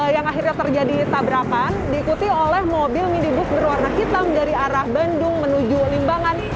yang akhirnya terjadi tabrakan diikuti oleh mobil minibus berwarna hitam dari arah bandung menuju limbangan